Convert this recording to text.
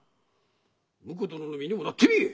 婿殿の身にもなってみい。